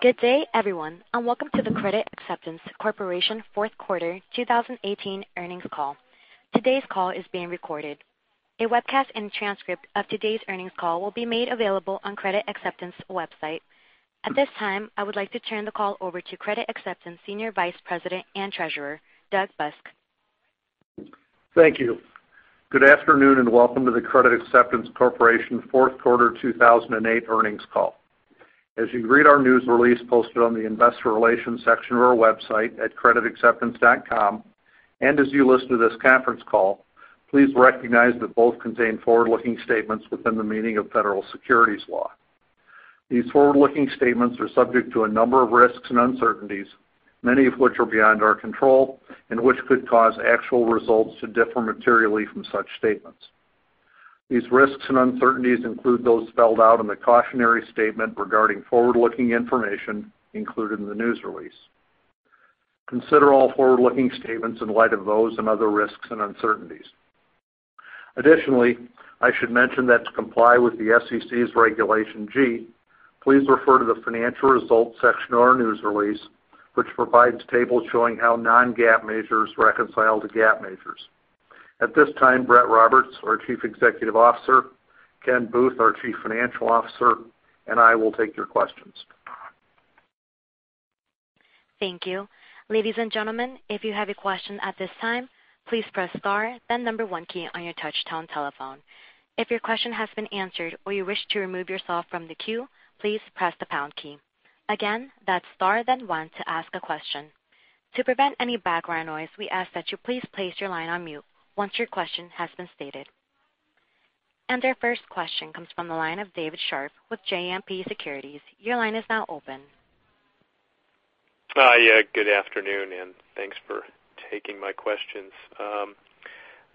Good day, everyone, and welcome to the Credit Acceptance Corporation fourth quarter 2018 earnings call. Today's call is being recorded. A webcast and transcript of today's earnings call will be made available on Credit Acceptance website. At this time, I would like to turn the call over to Credit Acceptance Senior Vice President and Treasurer, Doug Busk. Thank you. Good afternoon, welcome to the Credit Acceptance Corporation fourth quarter 2018 earnings call. As you read our news release posted on the investor relations section of our website at creditacceptance.com, as you listen to this conference call, please recognize that both contain forward-looking statements within the meaning of Federal Securities law. These forward-looking statements are subject to a number of risks and uncertainties, many of which are beyond our control and which could cause actual results to differ materially from such statements. These risks and uncertainties include those spelled out in the cautionary statement regarding forward-looking information included in the news release. Consider all forward-looking statements in light of those and other risks and uncertainties. Additionally, I should mention that to comply with the SEC's Regulation G, please refer to the financial results section of our news release, which provides tables showing how non-GAAP measures reconcile to GAAP measures. At this time, Brett Roberts, our Chief Executive Officer, Ken Booth, our Chief Financial Officer, I will take your questions. Thank you. Ladies and gentlemen, if you have a question at this time, please press star then number 1 key on your touchtone telephone. If your question has been answered or you wish to remove yourself from the queue, please press the pound key. Again, that's star then 1 to ask a question. To prevent any background noise, we ask that you please place your line on mute once your question has been stated. Our first question comes from the line of David Scharf with JMP Securities. Your line is now open. Hi. Good afternoon. Thanks for taking my questions.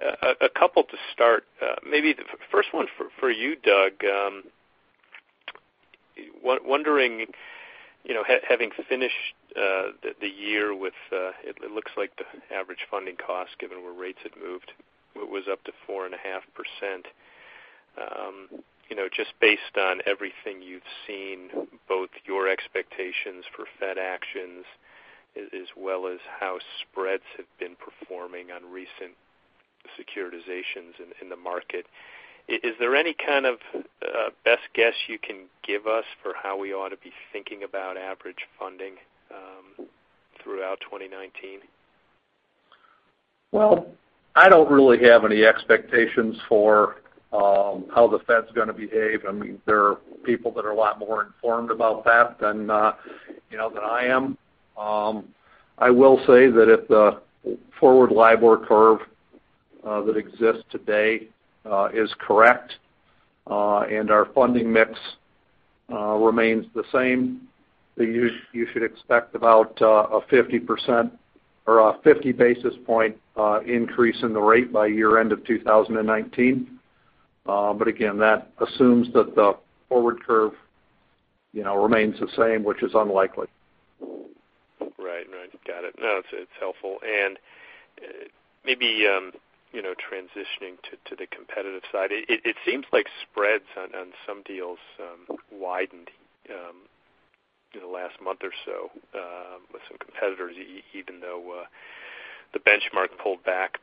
A couple to start. Maybe the first one for you, Doug. Wondering, having finished the year, it looks like the average funding cost given where rates had moved was up to 4.5%. Just based on everything you've seen, both your expectations for Fed actions, as well as how spreads have been performing on recent securitizations in the market, is there any kind of best guess you can give us for how we ought to be thinking about average funding throughout 2019? Well, I don't really have any expectations for how the Fed's going to behave. There are people that are a lot more informed about that than I am. I will say that if the forward LIBOR curve that exists today is correct and our funding mix remains the same, you should expect about a 50% or a 50-basis-point increase in the rate by year-end of 2019. Again, that assumes that the forward curve remains the same, which is unlikely. Right. Got it. No, it's helpful. Maybe transitioning to the competitive side. It seems like spreads on some deals widened in the last month or so with some competitors, even though the benchmark pulled back.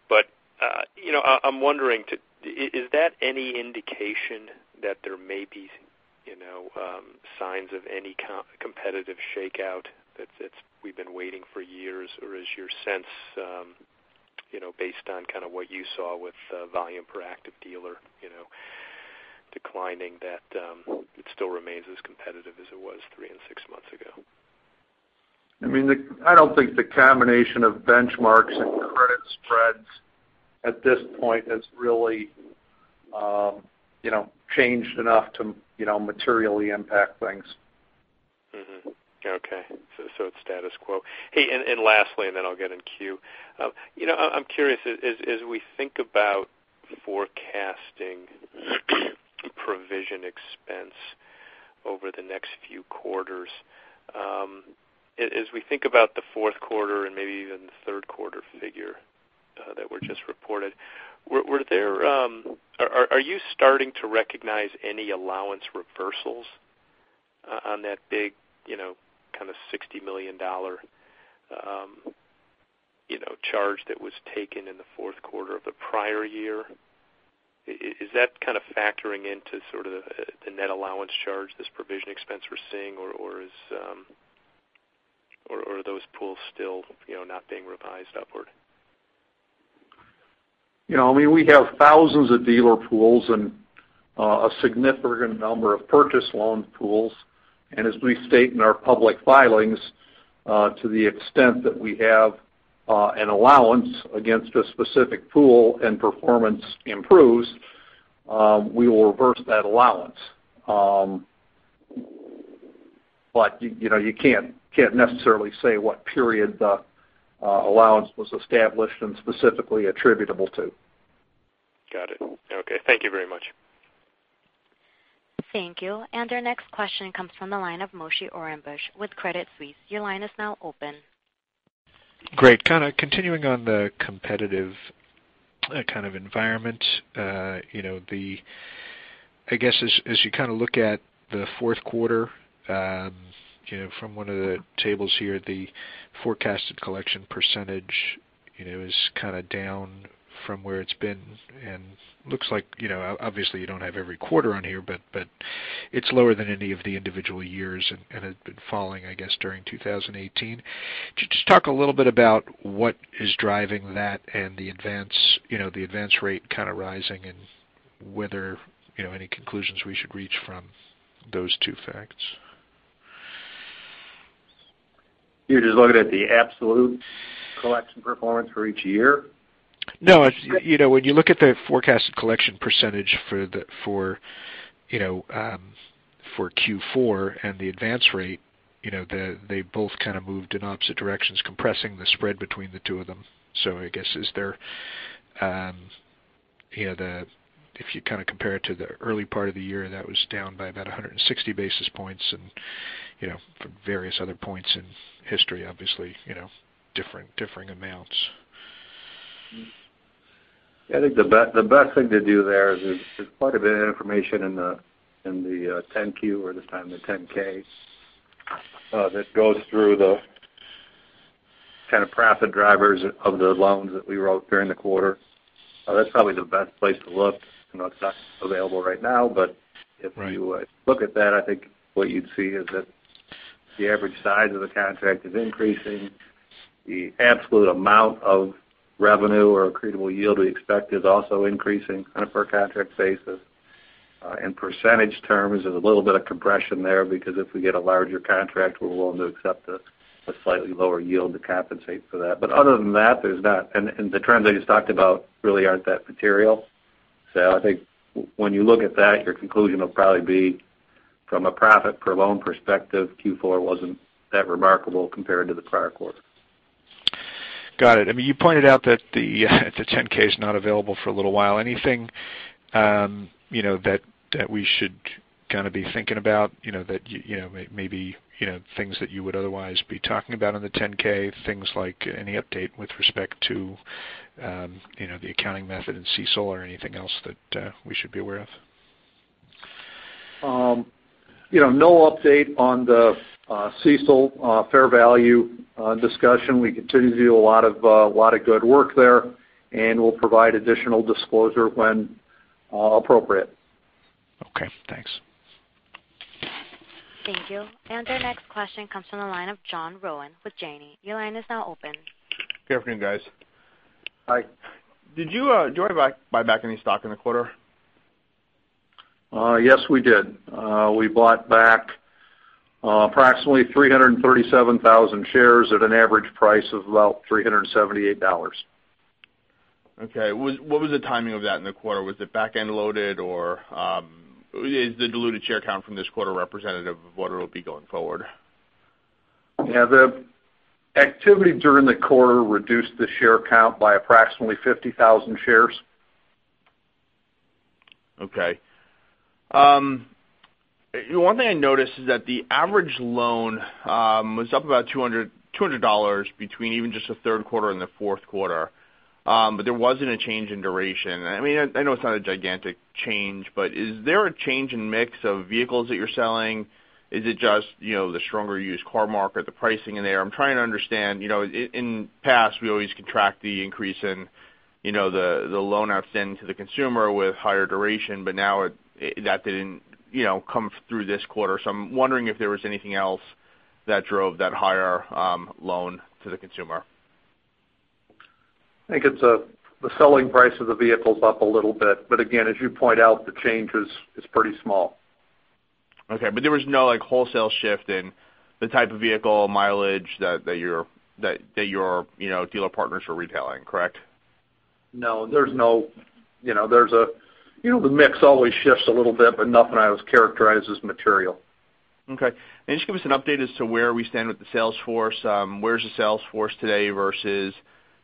I'm wondering, is that any indication that there may be signs of any competitive shakeout that we've been waiting for years? Or is your sense, based on kind of what you saw with volume per active dealer declining, that it still remains as competitive as it was three and six months ago? I don't think the combination of benchmarks and credit spreads at this point has really changed enough to materially impact things. Mm-hmm. Okay. It's status quo. Lastly, I'll get in queue. I'm curious, as we think about forecasting provision expense over the next few quarters, as we think about the fourth quarter and maybe even the third quarter figure that were just reported, are you starting to recognize any allowance reversals on that big kind of $60 million charge that was taken in the fourth quarter of the prior year? Is that kind of factoring into sort of the net allowance charge, this provision expense we're seeing, or are those pools still not being revised upward? We have thousands of dealer pools and a significant number of Purchase Program loan pools. As we state in our public filings, to the extent that we have an allowance against a specific pool and performance improves, we will reverse that allowance. You can't necessarily say what period the allowance was established and specifically attributable to. Got it. Okay. Thank you very much. Thank you. Our next question comes from the line of Moshe Orenbuch with Credit Suisse. Your line is now open. Great. Kind of continuing on the competitive kind of environment. I guess, as you kind of look at the fourth quarter, from one of the tables here, the forecasted collection percentage is kind of down from where it's been, obviously, you don't have every quarter on here, but it's lower than any of the individual years and had been falling, I guess, during 2018. Could you just talk a little bit about what is driving that and the advance rate kind of rising, and whether any conclusions we should reach from those two facts? You're just looking at the absolute collection performance for each year? No. When you look at the forecasted collection percentage for Q4 and the advance rate, they both kind of moved in opposite directions, compressing the spread between the two of them. I guess, if you kind of compare it to the early part of the year, that was down by about 160 basis points and from various other points in history, obviously, differing amounts. I think the best thing to do there is there's quite a bit of information in the 10-Q or this time the 10-K, that goes through the kind of profit drivers of the loans that we wrote during the quarter. That's probably the best place to look. I know it's not available right now, but if you look at that, I think what you'd see is that the average size of the contract is increasing. The absolute amount of revenue or accretable yield we expect is also increasing on a per contract basis. In percentage terms, there's a little bit of compression there, because if we get a larger contract, we're willing to accept a slightly lower yield to compensate for that. Other than that, and the trends I just talked about really aren't that material. I think when you look at that, your conclusion will probably be from a profit per loan perspective, Q4 wasn't that remarkable compared to the prior quarter. Got it. You pointed out that the 10-K is not available for a little while. Anything that we should kind of be thinking about, maybe things that you would otherwise be talking about on the 10-K, things like any update with respect to the accounting method in CECL or anything else that we should be aware of? No update on the CECL fair value discussion. We continue to do a lot of good work there, and we'll provide additional disclosure when appropriate. Okay, thanks. Thank you. Our next question comes from the line of John Rowan with Janney. Your line is now open. Good afternoon, guys. Hi. Did you buy back any stock in the quarter? Yes, we did. We bought back approximately 337,000 shares at an average price of about $378. Okay. What was the timing of that in the quarter? Was it back-end loaded, or is the diluted share count from this quarter representative of what it will be going forward? Yeah. The activity during the quarter reduced the share count by approximately 50,000 shares. Okay. One thing I noticed is that the average loan was up about $200 between even just the third quarter and the fourth quarter. There wasn't a change in duration. I know it's not a gigantic change, but is there a change in mix of vehicles that you're selling? Is it just the stronger used car market, the pricing in there? I'm trying to understand. In the past, we always could track the increase in the loan-outs then to the consumer with higher duration. Now that didn't come through this quarter. I'm wondering if there was anything else that drove that higher loan to the consumer. I think it's the selling price of the vehicle's up a little bit. Again, as you point out, the change is pretty small. Okay. There was no wholesale shift in the type of vehicle mileage that your dealer partners were retailing, correct? No. The mix always shifts a little bit, but nothing I would characterize as material. Okay. Just give us an update as to where we stand with the sales force. Where's the sales force today versus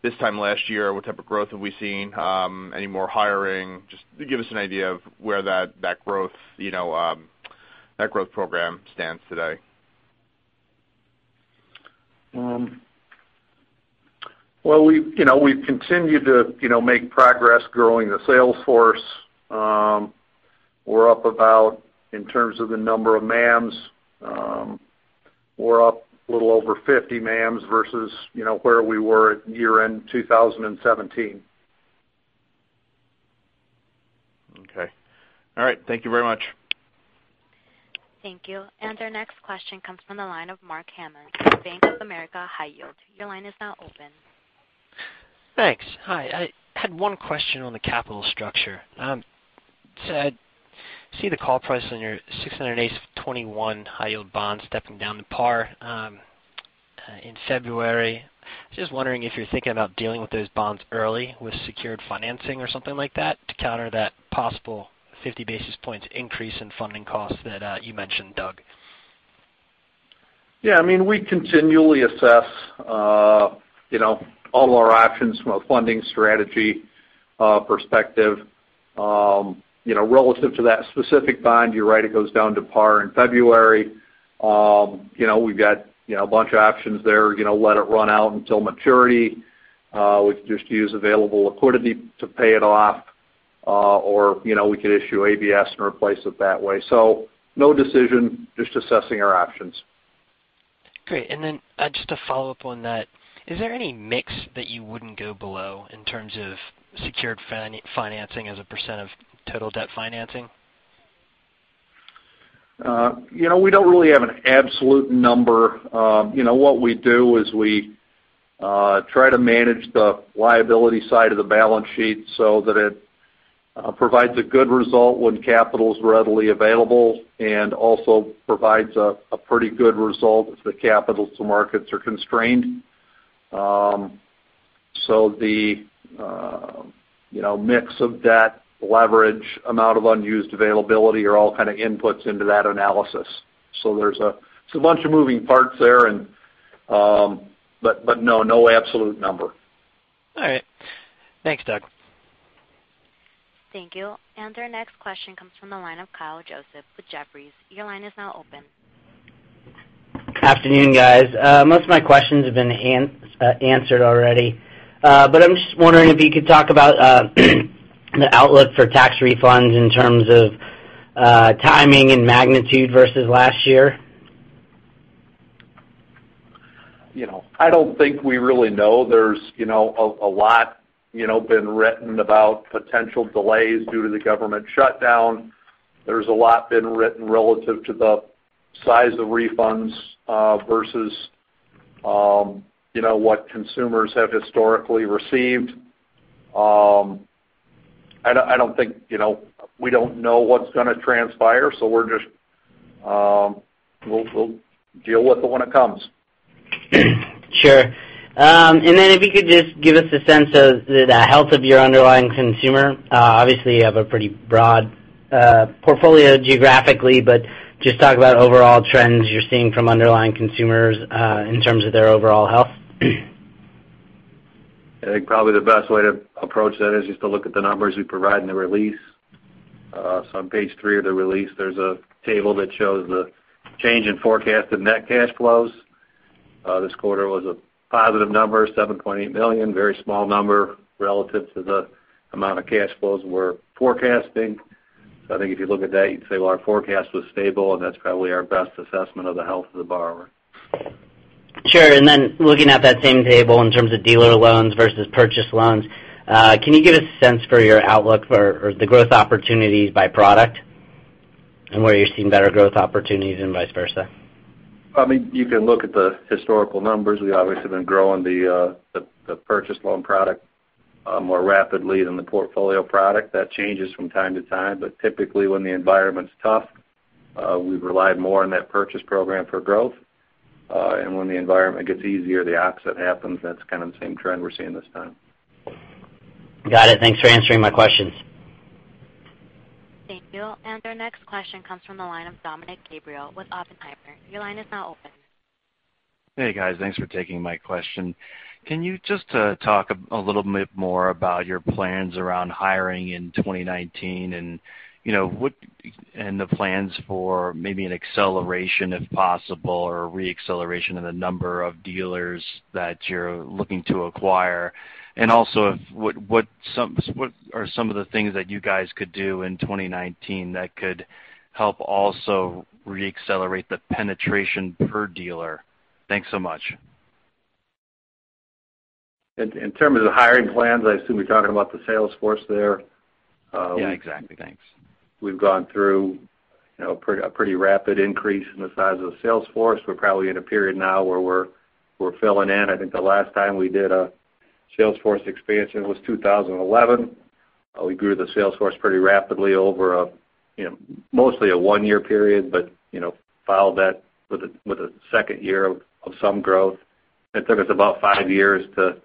this time last year? What type of growth have we seen? Any more hiring? Just give us an idea of where that growth program stands today. Well, we've continued to make progress growing the sales force. We're up about, in terms of the number of MAMs, we're up a little over 50 MAMs versus where we were at year-end 2017. Okay. All right. Thank you very much. Thank you. Our next question comes from the line of Mark Hammond, Bank of America High Yield. Your line is now open. Thanks. Hi. I had one question on the capital structure. I see the call price on your 6.821 high-yield bond stepping down to par in February. Just wondering if you're thinking about dealing with those bonds early with secured financing or something like that to counter that possible 50 basis points increase in funding costs that you mentioned, Doug. Yeah, we continually assess all our options from a funding strategy perspective. Relative to that specific bond, you're right, it goes down to par in February. We've got a bunch of options there. Let it run out until maturity. We can just use available liquidity to pay it off or we could issue ABS and replace it that way. No decision, just assessing our options. Great. Just to follow up on that, is there any mix that you wouldn't go below in terms of secured financing as a % of total debt financing? We don't really have an absolute number. What we do is we try to manage the liability side of the balance sheet so that it provides a good result when capital's readily available, and also provides a pretty good result if the capital markets are constrained. The mix of debt leverage, amount of unused availability are all kind of inputs into that analysis. There's a bunch of moving parts there, but no absolute number. All right. Thanks, Doug. Thank you. Our next question comes from the line of Kyle Joseph with Jefferies. Your line is now open. Afternoon, guys. Most of my questions have been answered already. I'm just wondering if you could talk about the outlook for tax refunds in terms of timing and magnitude versus last year. I don't think we really know. There's a lot been written about potential delays due to the government shutdown. There's a lot been written relative to the size of refunds versus what consumers have historically received. We don't know what's going to transpire, so we'll deal with it when it comes. Sure. If you could just give us a sense of the health of your underlying consumer. Obviously, you have a pretty broad portfolio geographically, but just talk about overall trends you're seeing from underlying consumers, in terms of their overall health. I think probably the best way to approach that is just to look at the numbers we provide in the release. On page three of the release, there's a table that shows the change in forecast and net cash flows. This quarter was a positive number, $7.8 million. Very small number relative to the amount of cash flows we're forecasting. I think if you look at that, you'd say, well, our forecast was stable, and that's probably our best assessment of the health of the borrower. Sure. Then looking at that same table in terms of dealer loans versus purchase loans, can you give a sense for your outlook for the growth opportunities by product and where you're seeing better growth opportunities and vice versa? You can look at the historical numbers. We obviously have been growing the purchase loan product more rapidly than the portfolio product. That changes from time to time, but typically when the environment's tough, we've relied more on that Purchase Program for growth. When the environment gets easier, the opposite happens. That's kind of the same trend we're seeing this time. Got it. Thanks for answering my questions. Thank you. Our next question comes from the line of Dominick Gabriele with Oppenheimer. Your line is now open. Hey, guys. Thanks for taking my question. Can you just talk a little bit more about your plans around hiring in 2019 and the plans for maybe an acceleration, if possible, or re-acceleration in the number of dealers that you're looking to acquire? What are some of the things that you guys could do in 2019 that could help also re-accelerate the penetration per dealer? Thanks so much. In terms of the hiring plans, I assume you're talking about the sales force there. Yeah, exactly. Thanks. We've gone through a pretty rapid increase in the size of the sales force. We're probably in a period now where we're filling in. I think the last time we did a sales force expansion was 2011. We grew the sales force pretty rapidly over mostly a one-year period, but followed that with a second year of some growth. It took us about five years to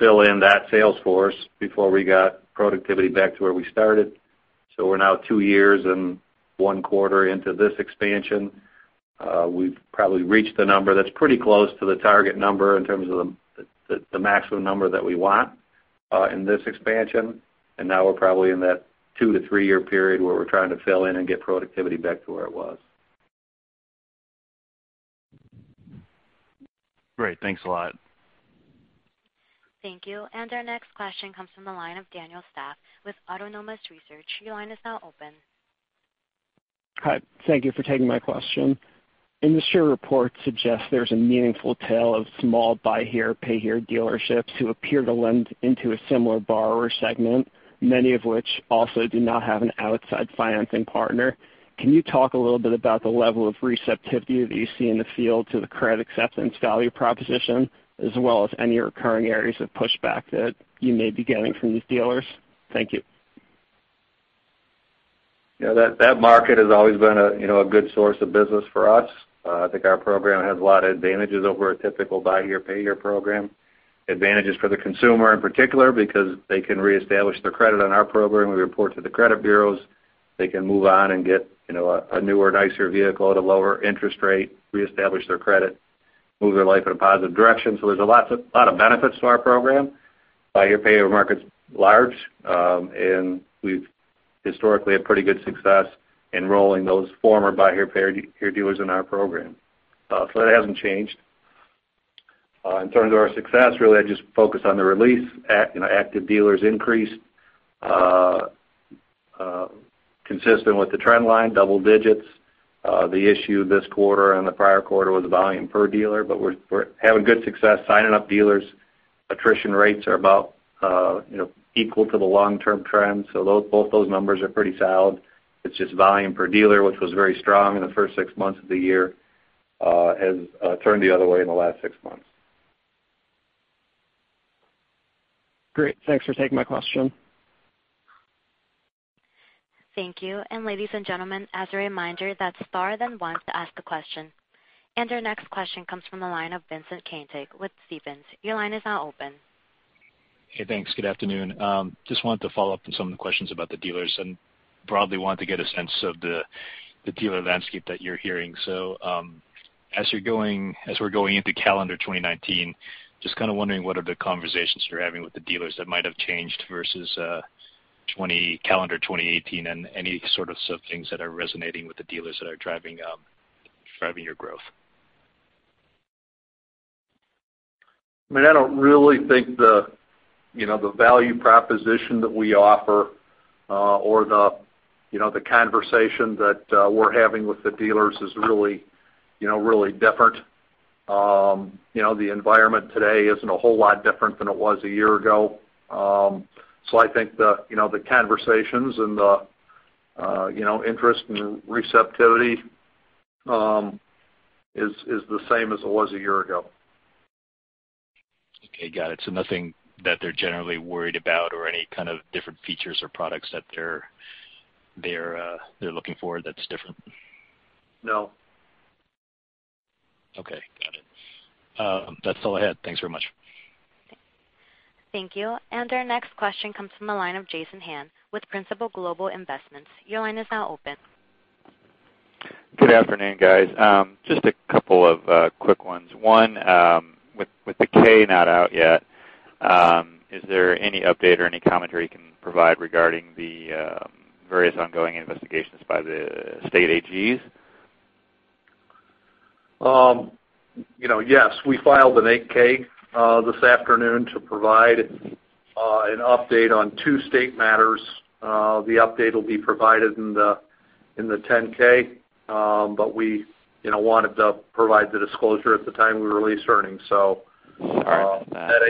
fill in that sales force before we got productivity back to where we started. We're now two years and one quarter into this expansion. We've probably reached the number that's pretty close to the target number in terms of the maximum number that we want in this expansion. We're probably in that two to three-year period where we're trying to fill in and get productivity back to where it was. Great. Thanks a lot. Thank you. Our next question comes from the line of Daniel Staff with Autonomous Research. Your line is now open. Hi. Thank you for taking my question. Industry reports suggest there's a meaningful tail of small Buy Here Pay Here dealerships who appear to lend into a similar borrower segment, many of which also do not have an outside financing partner. Can you talk a little bit about the level of receptivity that you see in the field to the Credit Acceptance value proposition, as well as any recurring areas of pushback that you may be getting from these dealers? Thank you. That market has always been a good source of business for us. I think our program has a lot of advantages over a typical Buy Here Pay Here program. Advantages for the consumer in particular because they can reestablish their credit on our program. We report to the credit bureaus. They can move on and get a newer, nicer vehicle at a lower interest rate, reestablish their credit. Move their life in a positive direction. There's a lot of benefits to our program. Buy Here Pay Here market's large, and we've historically had pretty good success enrolling those former Buy Here Pay Here dealers in our program. That hasn't changed. In terms of our success, really, I just focus on the release. Active dealers increased, consistent with the trend line, double digits. The issue this quarter and the prior quarter was volume per dealer. We're having good success signing up dealers. Attrition rates are about equal to the long-term trend. Both those numbers are pretty solid. It's just volume per dealer, which was very strong in the first 6 months of the year, has turned the other way in the last 6 months. Great. Thanks for taking my question. Thank you. Ladies and gentlemen, as a reminder, that star then one to ask a question. Our next question comes from the line of Vincent Caintic with Stephens. Your line is now open. Hey, thanks. Good afternoon. Just wanted to follow up on some of the questions about the dealers and broadly wanted to get a sense of the dealer landscape that you're hearing. As we're going into calendar 2019, just kind of wondering what are the conversations you're having with the dealers that might have changed versus calendar 2018 and any sort of things that are resonating with the dealers that are driving your growth. I don't really think the value proposition that we offer, or the conversation that we're having with the dealers is really different. The environment today isn't a whole lot different than it was a year ago. I think the conversations and the interest and receptivity is the same as it was a year ago. Okay, got it. Nothing that they're generally worried about or any kind of different features or products that they're looking for that's different? No. Okay, got it. That's all I had. Thanks very much. Thank you. Our next question comes from the line of Jason Han with Principal Global Investors. Your line is now open. Good afternoon, guys. Just a couple of quick ones. One, with the K not out yet, is there any update or any commentary you can provide regarding the various ongoing investigations by the state AGs? Yes. We filed an 8-K this afternoon to provide an update on two state matters. The update will be provided in the 10-K, we wanted to provide the disclosure at the time we released earnings. All right. That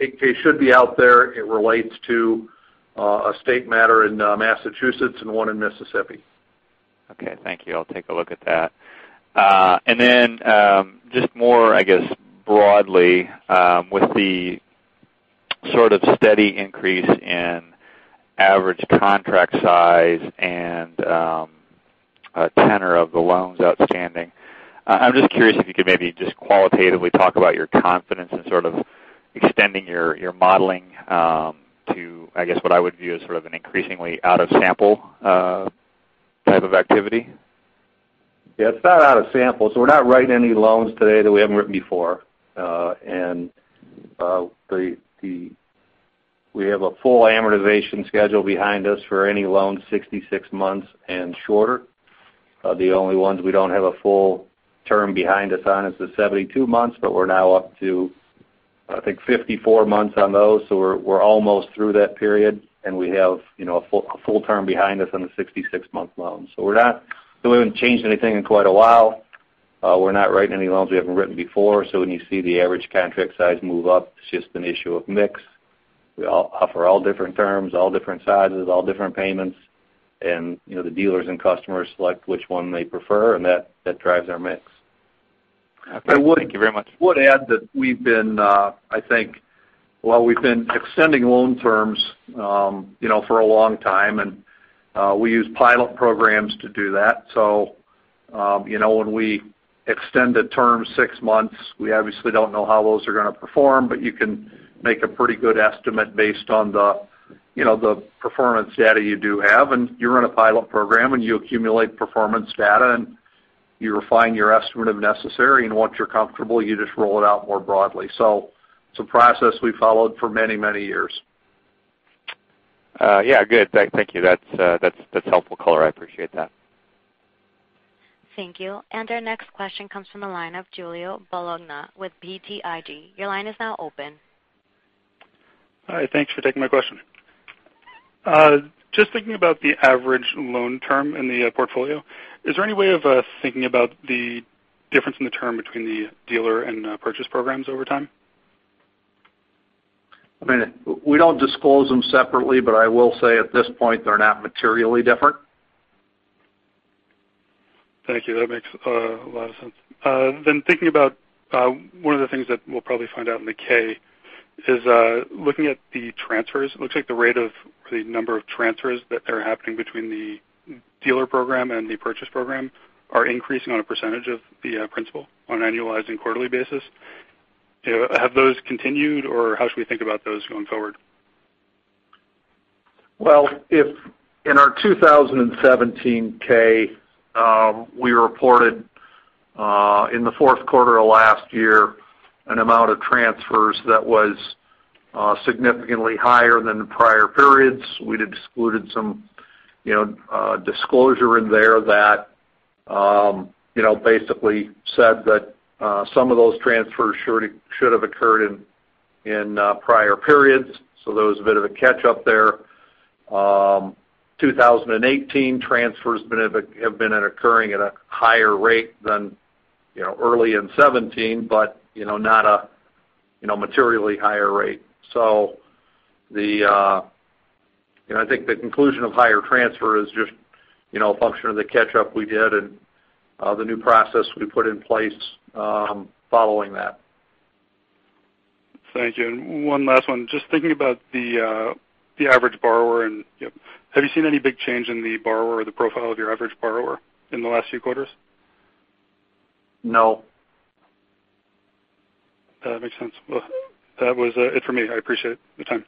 8-K should be out there. It relates to a state matter in Massachusetts and one in Mississippi. Okay, thank you. I'll take a look at that. Just more, I guess, broadly, with the sort of steady increase in average contract size and tenor of the loans outstanding, I'm just curious if you could maybe just qualitatively talk about your confidence in sort of extending your modeling to, I guess, what I would view as sort of an increasingly out of sample type of activity. Yeah, it's not out of sample. We're not writing any loans today that we haven't written before. We have a full amortization schedule behind us for any loan 66 months and shorter. The only ones we don't have a full term behind us on is the 72 months, but we're now up to, I think, 54 months on those. We're almost through that period, and we have a full term behind us on the 66-month loan. We haven't changed anything in quite a while. We're not writing any loans we haven't written before. When you see the average contract size move up, it's just an issue of mix. We offer all different terms, all different sizes, all different payments, and the dealers and customers select which one they prefer, and that drives our mix. Okay. Thank you very much. I would add that we've been extending loan terms for a long time, and we use pilot programs to do that. When we extend a term six months, we obviously don't know how those are going to perform, but you can make a pretty good estimate based on the performance data you do have. You run a pilot program, and you accumulate performance data, and you refine your estimate if necessary. Once you're comfortable, you just roll it out more broadly. It's a process we followed for many, many years. Yeah, good. Thank you. That's helpful color. I appreciate that. Thank you. Our next question comes from the line of Giuliano Bologna with BTIG. Your line is now open. Hi, thanks for taking my question. Just thinking about the average loan term in the portfolio, is there any way of thinking about the difference in the term between the dealer and purchase programs over time? We don't disclose them separately, but I will say at this point, they're not materially different. Thank you. That makes a lot of sense. Thinking about one of the things that we'll probably find out in the K is, looking at the transfers, it looks like the rate of the number of transfers that are happening between the Portfolio Program and the Purchase Program are increasing on a percentage of the principal on an annualizing quarterly basis. Have those continued, or how should we think about those going forward? In our 2017 K, we reported in the fourth quarter of last year an amount of transfers that was significantly higher than the prior periods. We'd excluded some disclosure in there that basically said that some of those transfers should have occurred in prior periods. There was a bit of a catch-up there. 2018 transfers have been occurring at a higher rate than early in 2017, but not a materially higher rate. I think the conclusion of higher transfer is just a function of the catch-up we did and the new process we put in place following that. Thank you. One last one. Just thinking about the average borrower, have you seen any big change in the borrower or the profile of your average borrower in the last few quarters? No. That makes sense. That was it for me. I appreciate the time.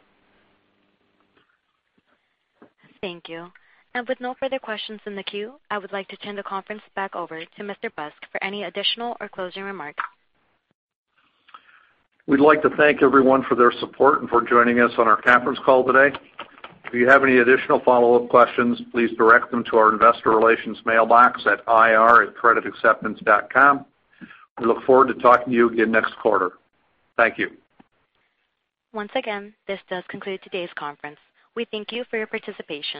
Thank you. With no further questions in the queue, I would like to turn the conference back over to Mr. Busk for any additional or closing remarks. We'd like to thank everyone for their support and for joining us on our conference call today. If you have any additional follow-up questions, please direct them to our investor relations mailbox at ir@creditacceptance.com. We look forward to talking to you again next quarter. Thank you. Once again, this does conclude today's conference. We thank you for your participation.